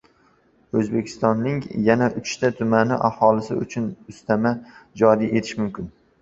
O‘zbekistonning yana uchta tumani aholisi uchun ustama joriy etilishi mumkin